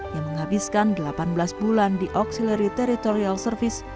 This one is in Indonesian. ia menghabiskan delapan belas bulan di auxiliary territorial service